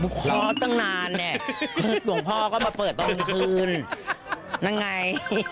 บุคล้อตั้งนานเพราะดวงพ่อก็มาเปิดตอนคืนนั่งไง